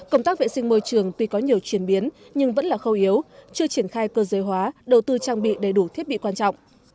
công tác vệ sinh môi trường tuy có nhiều chuyển biến nhưng vẫn là khâu yếu chưa triển khai cơ giới hóa đầu tư trang bị đầy đủ thiết bị quan trọng